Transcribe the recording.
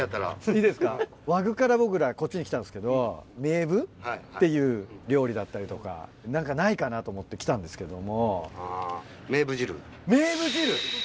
和具から僕らこっちに来たんですけどメーブっていう料理だったりとか何かないかなと思って来たんですけども。